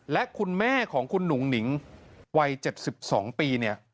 และคุณแม่ของคุณหนุ่งหนิงวัย๗๒ปีเนี่ย